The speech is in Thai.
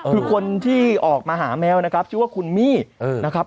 คือคนที่ออกมาหาแมวนะครับชื่อว่าคุณมี่นะครับ